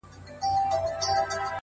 اوس د شپې سوي خوبونه زما بدن خوري’